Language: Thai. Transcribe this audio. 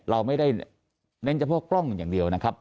เราไม่ได้เน้นเฉพาะกล้องอย่างเดียวนะครับ